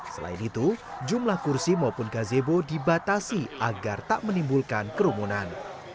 selain itu jumlah kursi maupun gazebo dibatasi agar tak menimbulkan kerumunan